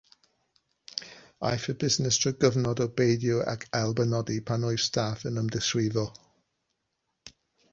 Aeth y busnes drwy gyfnod o beidio ag ail-benodi pan oedd staff yn ymddiswyddo.